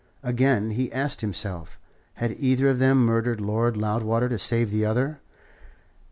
Again, he asked himself, had either of them murdered Lord Loudwater to save the other?